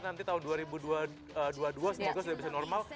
nanti tahun dua ribu dua puluh dua semoga sudah bisa normal